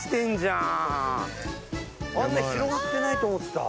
あんな広がってないと思ってた。